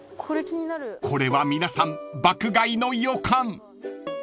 ［これは皆さん爆買いの予感］